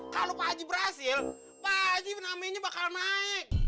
kalau pak haji berhasil pak haji namanya bakal naik